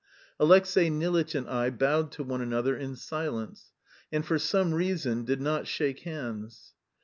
Alexey Nilitch and I bowed to one another in silence, and for some reason did not shake hands.